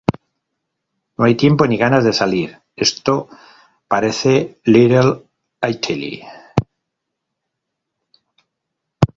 No hay tiempo ni ganas de salir esto parece little italy